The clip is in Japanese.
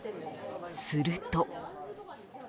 すると。